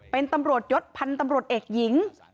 เป็นตำรวจยศพันธ์ตำรวจเอกหญิง